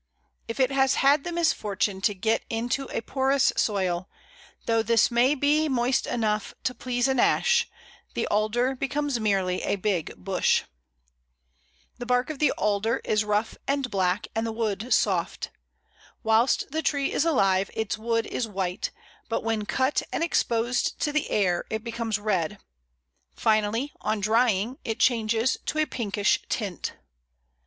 If it has had the misfortune to get into a porous soil, though this may be moist enough to please an Ash, the Alder becomes merely a big bush. [Illustration: Alder.] The bark of the Alder is rough and black, and the wood soft. Whilst the tree is alive its wood is white, but when cut and exposed to the air it becomes red; finally, on drying, it changes to a pinkish tint.